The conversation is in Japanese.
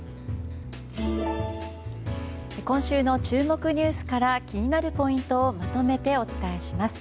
今週の注目ニュースから気になるポイントをまとめてお伝えします。